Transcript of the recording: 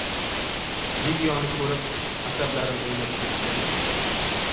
Videoni koʻrib, asablarim oʻynab ketdi.